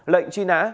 lệnh truy nã